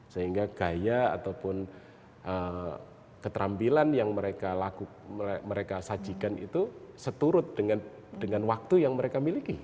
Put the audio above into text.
sehingga gaya ataupun keterampilan yang mereka sajikan itu seturut dengan waktu yang mereka miliki